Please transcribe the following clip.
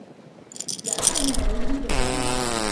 لا أعلم ما يجري بينهنما.